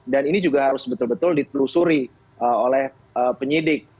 dan ini juga harus betul betul ditelusuri oleh penyidik